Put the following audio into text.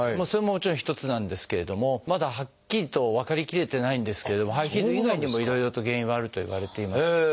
それももちろん一つなんですけれどもまだはっきりと分かりきれてないんですけれどもハイヒール以外にもいろいろと原因はあるといわれています。